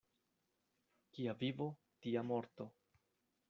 Kia vivo, tia morto.